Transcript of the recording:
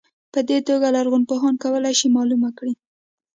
په دې توګه لرغونپوهان کولای شي معلومه کړي.